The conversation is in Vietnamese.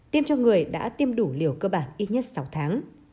tiêm cho người đã tiêm đủ liều cơ bản ít nhất sáu tháng